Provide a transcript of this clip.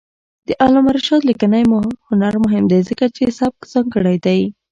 د علامه رشاد لیکنی هنر مهم دی ځکه چې سبک ځانګړی دی.